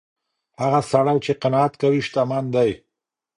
هغه سړی چي قناعت کوي شتمن دی.